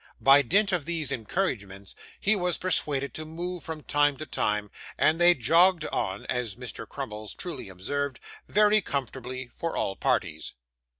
By dint of these encouragements, he was persuaded to move from time to time, and they jogged on (as Mr. Crummles truly observed) very comfortably for all parties.